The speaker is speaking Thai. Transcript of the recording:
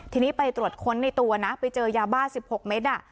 ทีนี้ไปตรวจค้นในตัวนะไปเจอยาบ้า๑๖เมตร